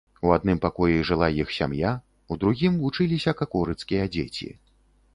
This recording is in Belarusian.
У адным пакоі жыла іх сям'я, у другім вучыліся какорыцкія дзеці.